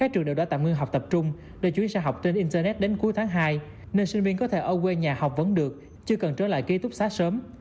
trường trung đề chuyên sẽ học trên internet đến cuối tháng hai nên sinh viên có thể ở quê nhà học vẫn được chưa cần trở lại ký túc xá sớm